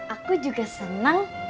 aku juga seneng